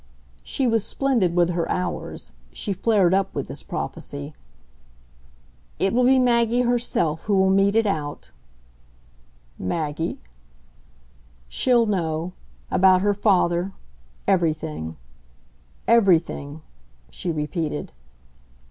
She was splendid with her "ours"; she flared up with this prophecy. "It will be Maggie herself who will mete it out." "Maggie ?" "SHE'LL know about her father; everything. Everything," she repeated.